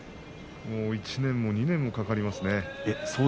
１年も２年も、かかります。